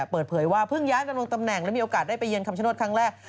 เปิดเผยว่าเพิ่งย้ายดำรงตำแหน่งและมีโอกาสได้ไปเยือคำชโนธครั้งแรก